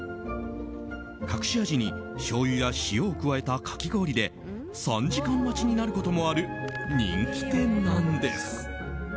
隠し味にしょうゆや塩を加えたかき氷で３時間待ちになることもある人気店なんです。